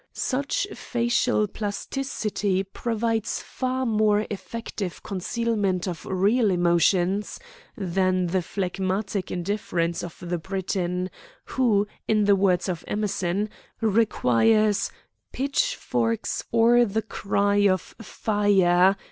Such facial plasticity provides far more effective concealment of real emotions than the phlegmatic indifference of the Briton, who, in the words of Emerson, requires "pitchforks or the cry of 'fire!'"